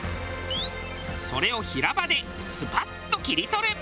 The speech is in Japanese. それを平刃でスパッと切り取る。